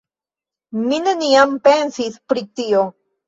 Mi neniam pensis pri tio.